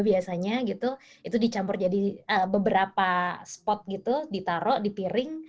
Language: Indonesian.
biasanya gitu itu dicampur jadi beberapa spot gitu ditaruh di piring